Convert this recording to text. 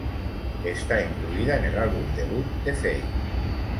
Está incluida en el álbum debut de Fey.